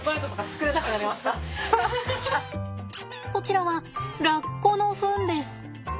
こちらはラッコのフンです。